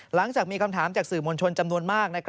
หลังจากมีคำถามจากสื่อมวลชนจำนวนมาก